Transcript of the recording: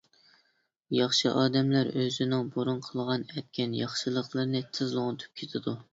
ياخشى ئادەملەر ئۆزىنىڭ بۇرۇن قىلغان-ئەتكەن ياخشىلىقلىرىنى تېزلا ئۇنتۇپ كېتىدۇ.